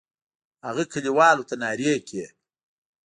هغه کلیوالو ته نارې کړې.